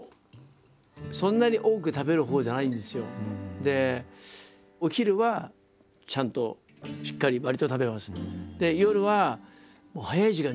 でお昼はちゃんとしっかりわりと食べます。